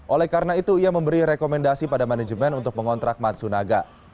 oleh karena itu ia memberi rekomendasi pada manajemen untuk mengontrak matsunaga